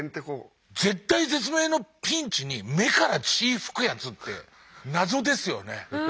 絶体絶命のピンチに目から血吹くやつって謎ですよね。